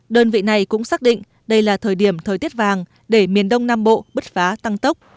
đơn vị này cũng xác định đây là thời điểm thời tiết vàng để miền đông nam bộ bứt phá tăng tốc